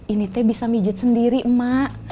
ini teh bisa mijit sendiri emak